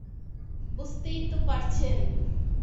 বুঝতেই তো পারছেন।